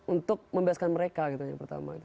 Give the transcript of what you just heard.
untuk membebaskan mereka gitu yang pertama gitu